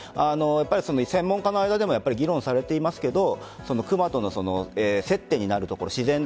専門家の間でも議論されていますがクマとの接点になる所